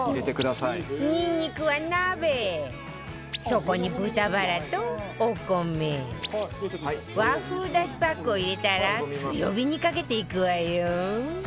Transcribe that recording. そこに豚バラとお米和風だしパックを入れたら強火にかけていくわよ